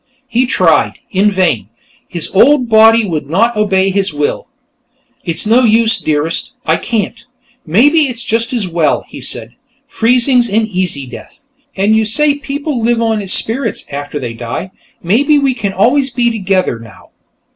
He tried, in vain. His old body would not obey his will. "It's no use, Dearest; I can't. Maybe it's just as well," he said. "Freezing's an easy death, and you say people live on as spirits, after they die. Maybe we can always be together, now."